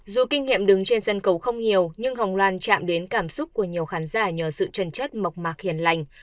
dù kinh nghiệm đứng trên sân khấu không nhiều nhưng hồng loan chạm đến cảm xúc của nhiều khán giả nhờ sự trần chất mộc mạc hiền lành